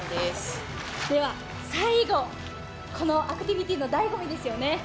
では最後、このアクティビティーのだいご味ですよね。